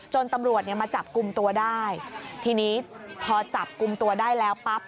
ตำรวจเนี่ยมาจับกลุ่มตัวได้ทีนี้พอจับกลุ่มตัวได้แล้วปั๊บ